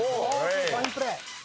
ファインプレー！